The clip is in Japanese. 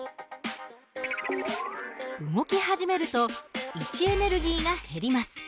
動き始めると位置エネルギーが減ります。